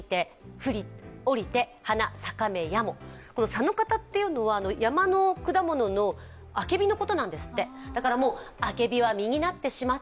さのかたというのは、山の果物のあけびのことなんですって。